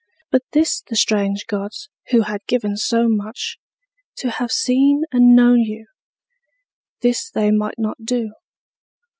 But this the strange gods, who had given so much, To have seen and known you, this they might not do.